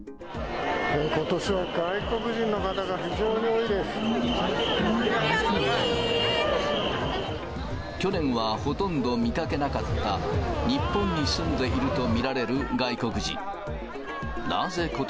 ことしは外国人の方が非常に去年はほとんど見かけなかった、日本に住んでいると見られる外国人。